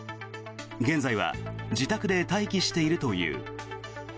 現在は自宅で待機しているという。